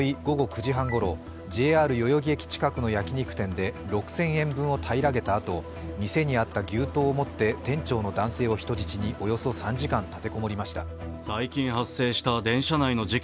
午後９時半ごろ、ＪＲ代々木駅近くの焼き肉店で６０００円分を平らげたあと店にあった牛刀を持って店長の男性を人質におよそ３時間、立て籠もりました。